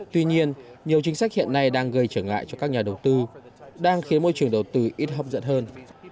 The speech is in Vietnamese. tuy nhiên nhiều chính sách hiện nay đang gây trở ngại cho các nhà đầu tư đang khiến môi trường đầu tư ít hấp dẫn hơn